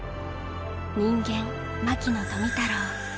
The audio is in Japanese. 人間牧野富太郎。